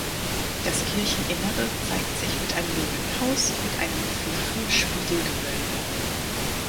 Das Kircheninnere zeigt sich mit einem Langhaus mit einem flachen Spiegelgewölbe.